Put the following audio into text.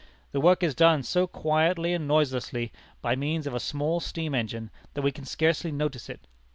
The work is done so quietly and noiselessly, by means of a small steam engine, that we scarcely notice it.